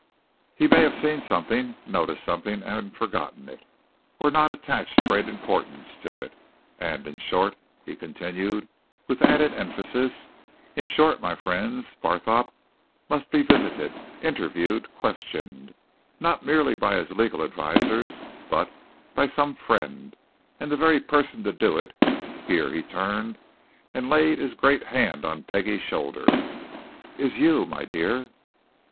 "He may have seen something, noticed something, and forgotten it, or not attached great importance to it. And, in short," he continued, with added emphasis, "in short, my friends, Barthorpe must be visited, interviewed, questioned not merely by his legal advisers, but by some friend, and the very person to do it" here he turned and laid his great hand on Peggie's shoulder "is you, my dear!"